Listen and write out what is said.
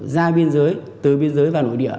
ra biên giới từ biên giới vào nội địa